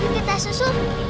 yuk kita susu